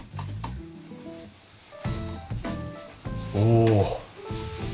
おお。